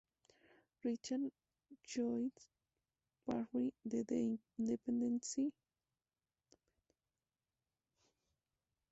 Richard Lloyd Parry-de "The Independent" describió a Pai como la "Cilla Black de Taiwán".